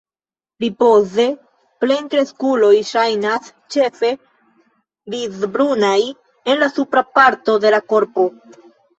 Ripoze plenkreskuloj ŝajnas ĉefe grizbrunaj en la supra parto de la korpo.